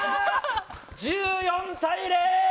１４対０！